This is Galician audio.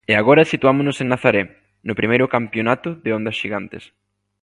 E agora situámonos en Nazaré, no primeiro campionato de ondas xigantes.